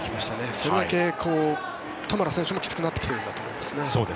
それだけトマラ選手もきつくなってきているんだと思います。